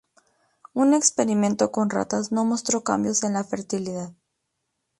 Un experimento con ratas no mostró cambios en la fertilidad.